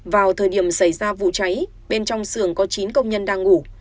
vào thời điểm xảy ra vụ cháy bên trong xưởng có chín công nhân đang ngủ